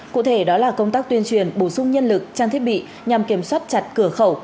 cụ thể đó là công tác tuyên truyền bổ sung nhân lực trang thiết bị nhằm kiểm soát chặt cửa khẩu